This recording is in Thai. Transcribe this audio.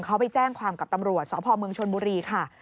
เขาไปแจ้งความกับตำรวจสพเมืองชนบุรีค่ะ